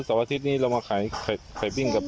อืมแล้ว๒อาทิตย์นี้เรามาไข่ไข่ปิ้งกับ